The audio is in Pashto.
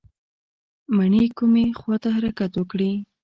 مڼې کومې خواته حرکت وکړي؟